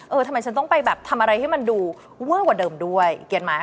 ทำไมฉันต้องไปแบบทำอะไรให้มันดูเวอร์กว่าเดิมด้วยเกียรติไหม